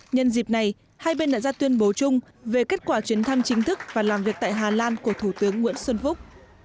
nhân dịp này hai bên đã ra tuyên bố chung về kết quả chuyến thăm chính thức và làm việc tại hà lan của thủ tướng nguyễn xuân phúc